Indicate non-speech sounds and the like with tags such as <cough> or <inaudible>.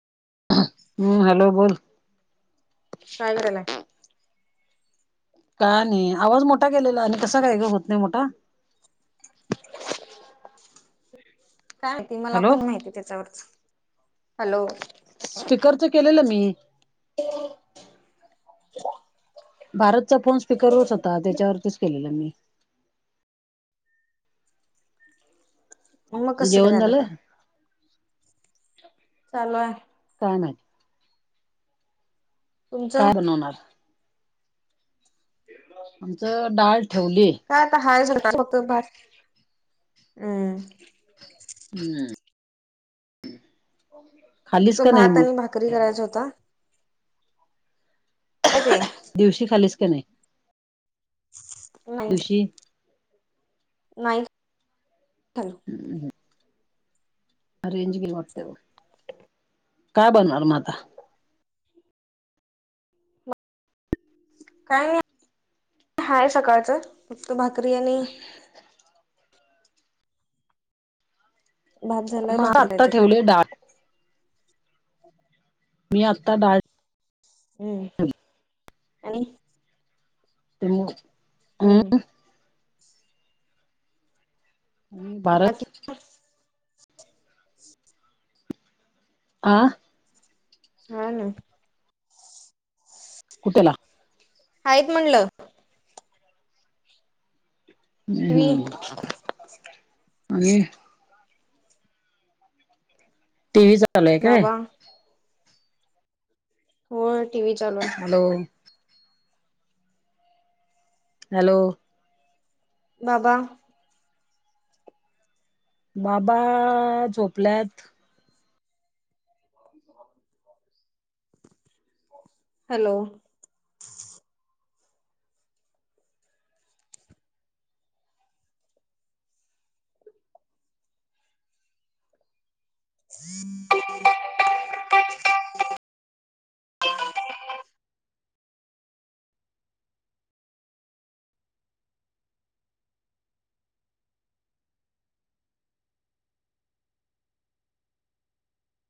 हम्म, हॅलो बोल. काय करायलाय? का नाही. आवाज मोठा केलेला. आणि कसा काय ग होत नाही मोठा. काय आहे ते मला हॅलो पण माहिती त्याच्यावरच. हॅलो स्पिकरच केलेल मी. <inaudible> भारतचा फोन स्पीकर वरच होता. त्याच्यावरतीच केलेला मी. मग, कस काय जेवण झाल झालं काय? चालू आहे. काय माहिती तुमचं? काय बनवणार. आमच डाळ ठेवली. आहे झुनका. फक्त भात हम्म हम्म तो भात आणि भाकरी करायचा होता. काय ते ढुशी खाल्लीस का नाही? नाही. ढुशी नाही <unintelligible> रेंज गेली वाटत. काय बनणार म आता. काय नाही, हाय सकाळच. फक्त भाकरी आणि भात झालाय म भाकरी आता खायची ठेवले डाळ. मी आत्ता डाळ हम्म आणि <unintelligible> हम्म आणि आणि भारत बाकी आ हा ना कुठेला? हायेत म्हणल. टीव्ही हम्म, आणि टी व्ही चालूय काय? बाबा हो टी व्ही चालू आहे. हॅलो हॅलो बाबा बाबा झोपल्यात. हॅलो <inaudible>